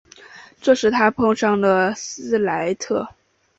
这使他碰遇上了斯莱特。